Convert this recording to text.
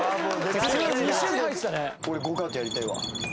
俺ゴーカートやりたいわ。